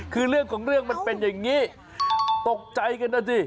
คือเรื่องของเรื่องมันเป็นอย่างนี้ตกใจกันนะสิ